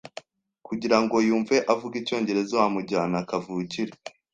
Kugira ngo yumve avuga icyongereza, wamujyana kavukire.